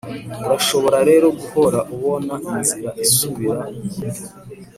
urashobora rero guhora ubona inzira isubira murugo.